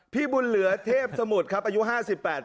พี่บุญเหลือเทพสมุทรครับอายุ๕๘ปี